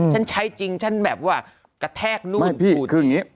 ฉันใช้จริงฉันแบบว่ากระแทกนู่นพี่คืออย่างนี้